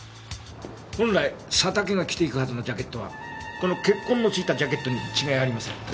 本来佐竹が着ていくはずのジャケットはこの血痕の付いたジャケットに違いありません。